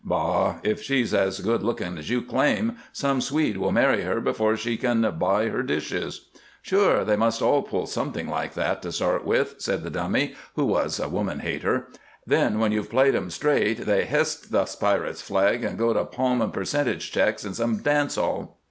"Bah! If she's as good looking as you claim, some Swede will marry her before she can buy her dishes." "Sure! They must all pull something like that to start with," said the Dummy, who was a woman hater; "then when you've played 'em straight they h'ist the pirate's flag and go to palmin' percentage checks in some dance hall."